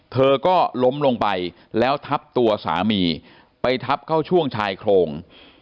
เธอก็ล้มลงไปแล้วทับตัวสามีไปทับเข้าช่วงชายโครง